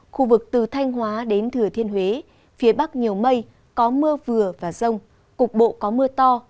khu vực từ thanh hóa đến thừa thiên huế phía bắc nhiều mây có mưa vừa và rông cục bộ có mưa to